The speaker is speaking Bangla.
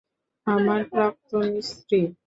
আমার প্রাক্তন স্ত্রী।